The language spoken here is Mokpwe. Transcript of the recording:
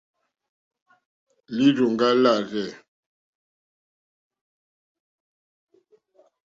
Lírzòŋɡá lârzɛ̂.